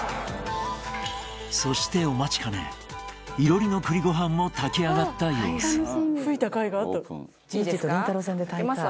そしてお待ちかねいろりの栗ご飯も炊き上がったようです。